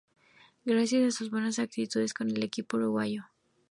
Gracias a sus buenas actuaciones con el equipo uruguayo.